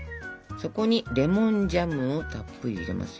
そこにレモンジャムをたっぷり入れますよ。